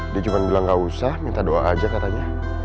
dia cuma bilang gak usah minta doa aja katanya